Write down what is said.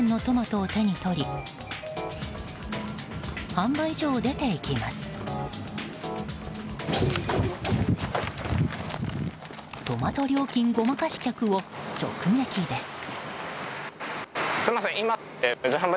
トマト料金ごまかし客を直撃です。